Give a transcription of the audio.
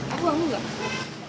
aku bangun gak